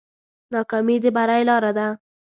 ناکامي د بری لاره ده.